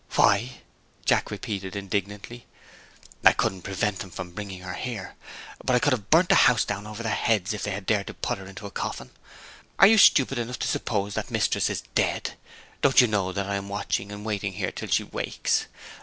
"Why?" Jack repeated indignantly. "I couldn't prevent them from bringing her here; but I could have burnt the house down over their heads, if they had dared to put her into a coffin! Are you stupid enough to suppose that Mistress is dead? Don't you know that I'm watching and waiting here till she wakes?